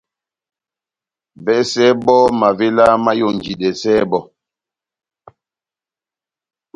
Vɛsɛ bɔ́ mavéla máyonjidɛsɛ bɔ́.